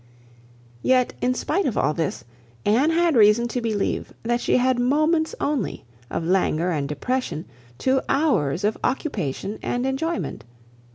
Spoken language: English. Yet, in spite of all this, Anne had reason to believe that she had moments only of languor and depression, to hours of occupation and enjoyment.